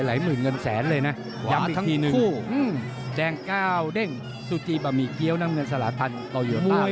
หลายหมื่นเงินแสนเลยนะย้ำทั้งคู่แจ้งก้าวเด้งสุจีย์บะหมี่เกี้ยวนั่งเงินสหราชพันธ์ต่ออยู่ต้านและยอม